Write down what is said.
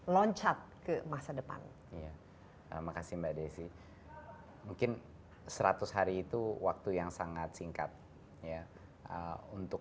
loncat ke masa depan iya makasih mbak desi mungkin seratus hari itu waktu yang sangat singkat ya untuk